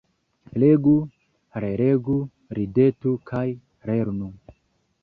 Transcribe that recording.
Legu, relegu, ridetu kaj lernu.